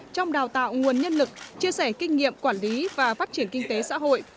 trong đào tạo nguồn nhân lực chia sẻ kinh nghiệm quản lý và phát triển kinh tế xã hội